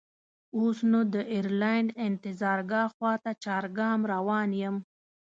اوس نو د ایرلاین انتظارګاه خواته چارګام روان یم.